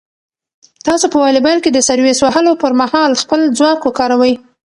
تاسو په واليبال کې د سرویس وهلو پر مهال خپل ځواک وکاروئ.